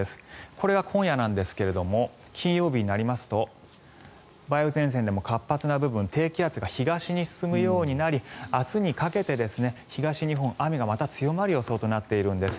これは今夜なんですけれども金曜日になりますと梅雨前線でも活発な部分低気圧が東に進むようになり明日にかけて東日本、雨がまた強まる予想となっているんです。